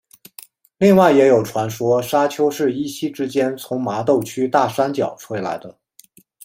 另外也有传说砂丘是一夕之间从麻豆区大山脚吹来的。